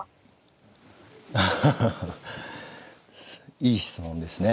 いい質問ですね